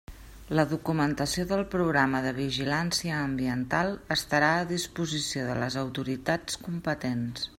La documentació del programa de vigilància ambiental estarà a disposició de les autoritats competents.